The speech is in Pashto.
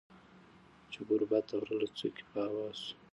چي ګوربت د غره له څوکي په هوا سو